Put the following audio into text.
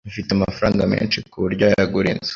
Afite amafaranga menshi kuboryo yagura inzu